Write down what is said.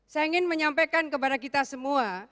saya ingin menyampaikan kepada kita semua